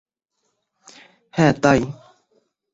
হ্যাঁ, তাই।